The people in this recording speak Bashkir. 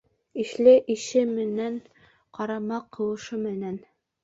Ишле ише менән, ҡарама ҡыуышы менән.